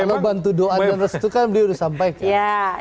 kalau bantu doa dan restu kan beliau sudah sampaikan